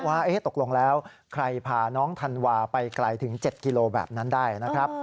ว่าตกลงแล้วใครพาน้องธันวาไปไกลถึง๗กิโลแบบนั้นได้นะครับ